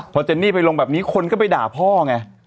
พอเจนนี่ไปลงแบบนี้คนก็ไปด่าพ่อไง